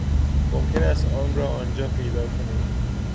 ممکن است آن را آنجا پیدا کنید.